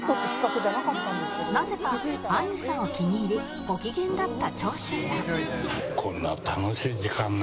なぜかあんりさんを気に入りご機嫌だった長州さん